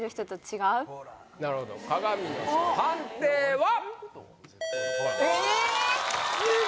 なるほど鏡の人判定はえっ！？